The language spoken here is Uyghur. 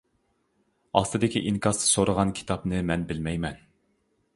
ئاستىدىكى ئىنكاستا سورىغان كىتابنى مەن بىلمەيمەن!